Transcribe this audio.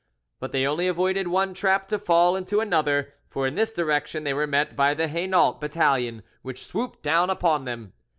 But they only avoided one trap to fall into another, for in this direction they were met by the Hainault battalion, which swooped down upon them.